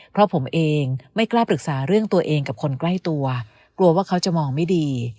เพราะผมเองไม่กล้าปรึกษาเรื่องตัวเองกับคนใกล้ตัวกลัวกลัวว่าเขาจะมองไม่ดี